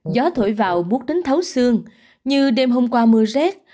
gió thổi vào bút đến thấu xương như đêm hôm qua mưa rét